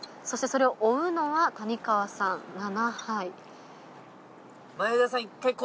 そしてそれを追うのは谷川さん７杯。